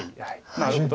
なるほど。